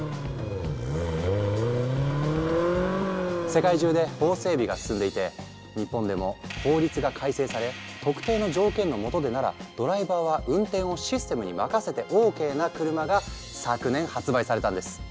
世界中で法整備が進んでいて日本でも法律が改正され特定の条件のもとでならドライバーは運転をシステムに任せてＯＫな車が昨年発売されたんです。